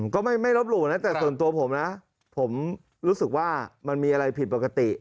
ก็ไม่ลบหลู่นะแต่ส่วนตัวผมนะผมรู้สึกว่ามันมีอะไรผิดปกติ